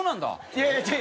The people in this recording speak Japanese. いやいや違う。